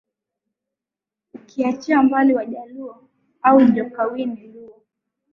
Ukiachia mbali Wajaluo au Jakowiny Luo